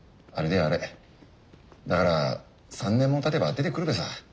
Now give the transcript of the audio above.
だから３年もたてば出てくるべさ。